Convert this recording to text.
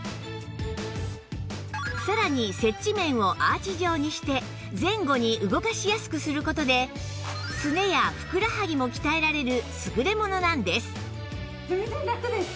さらに接地面をアーチ状にして前後に動かしやすくする事ですねやふくらはぎも鍛えられる優れものなんです